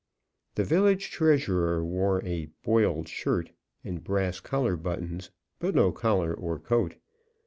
The village treasurer wore a "boiled shirt" and brass collar buttons, but no collar or coat.